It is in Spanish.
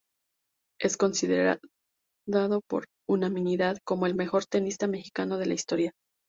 Es considerado por unanimidad como el mejor tenista mexicano de la historia.